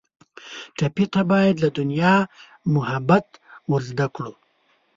ټپي ته باید له دنیا محبت ور زده کړو.